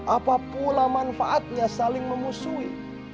apapula manfaatnya saling memusuhi